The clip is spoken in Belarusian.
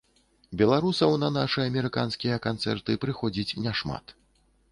Беларусаў на нашы амерыканскія канцэрты прыходзіць няшмат.